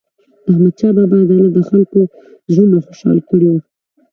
د احمدشاه بابا عدالت د خلکو زړونه خوشحال کړي وو.